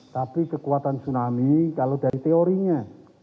tapi kekuatan tsunami kalau dari teorinya